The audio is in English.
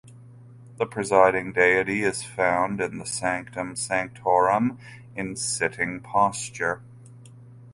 The presiding deity is found in the sanctum sanctorum in sitting posture.